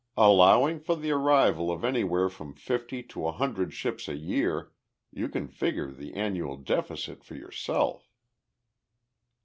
"Allowing for the arrival of anywhere from fifty to a hundred ships a year, you can figure the annual deficit for yourself."